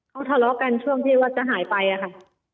เขาทะเลาะกันช่วงที่ว่าจะหายไปอะค่ะ